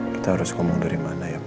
kita harus ngomong dari mana ya